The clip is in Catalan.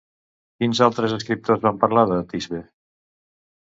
Quins altres escriptors van parlar de Tisbe?